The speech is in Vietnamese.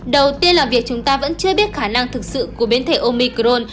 đầu tiên là việc chúng ta vẫn chưa biết khả năng thực sự của biến thể omicron